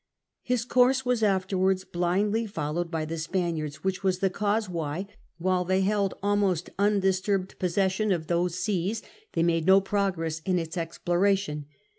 His course was afterwards blindly followed by the Spaniards, which was the cause why, while they held almost undisturbed possession of those seas, they made no progress in its exploration.